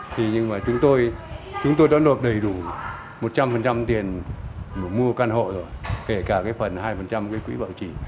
thì nhưng mà chúng tôi đã đột đầy đủ một trăm linh tiền mua căn hộ rồi kể cả cái phần hai của quỹ bảo trì